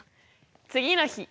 次の日。